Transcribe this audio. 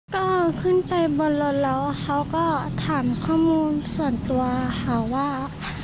ก็ขึ้นไปบนรถแล้วเขาก็ถามข้อมูลส่วนตัวค่ะว่า